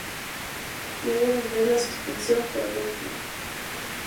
Luego vendría la suspensión por doping.